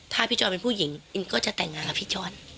ถ้าพี่จอยเป็นผู้หญิงอินก็จะแต่งงานกับพี่จอน